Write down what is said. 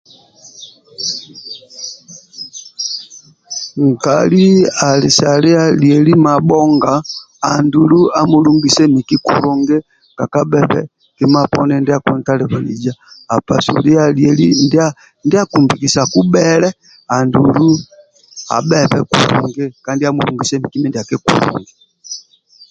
Nkali ali sa lia lieli mabhonga andulu amulungise miki kulungi kakabhebe kima poni ndia akintalibaniza apasu lia lieli ndia akimbikisaku bhele andulu abhebe kulungi kandi amulungise miki mindiaki kulungi